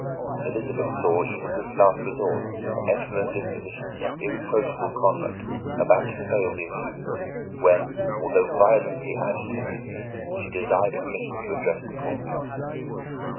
Elizabeth saw even this last resource, her excellent dispositions and irreproachable conduct, about to fail the accused, when, although violently agitated, she desired permission to address the court.